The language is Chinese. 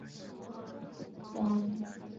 双滦区是河北省承德市下辖的一个市辖区。